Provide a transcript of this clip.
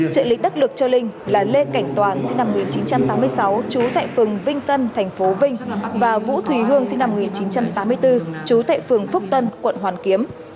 trợ lý đắc lực cho linh là lê cảnh toàn sinh năm một nghìn chín trăm tám mươi sáu trú tại phường vinh tân tp vinh và vũ thùy hương sinh năm một nghìn chín trăm tám mươi bốn trú tại phường phúc tân quận hoàn kiếm